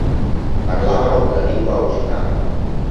Parlavano la lingua occitana.